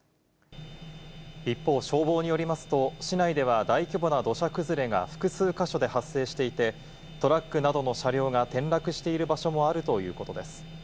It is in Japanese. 一方、消防によりますと、市内では大規模な土砂崩れが複数箇所で発生していて、トラックなどの車両が転落している場所もあるということです。